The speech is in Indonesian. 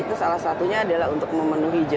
itu salah satunya adalah untuk memenuhi